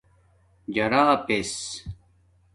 جراپس